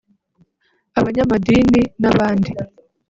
abanyamadini n’abandi